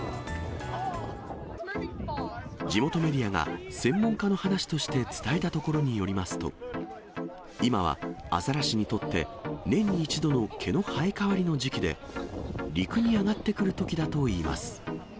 地元メディアが専門家の話として伝えたところによりますと、今はアザラシにとって、年に一度の毛の生え変わりの時期で、陸に上がってくるときだといいます。